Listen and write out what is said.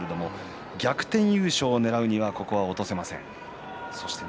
逆転優勝をねらうにはここは落とせません。